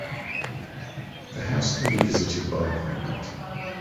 The house can be visited by appointment.